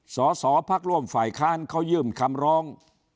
สสพฝคเขายืมคำร้อง